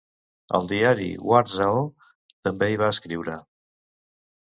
Al diari "War Zao" també hi va escriure.